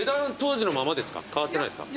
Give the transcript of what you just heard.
変わってないですか？